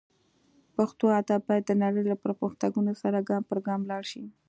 پښتو ادب باید د نړۍ له پرمختګونو سره ګام پر ګام لاړ شي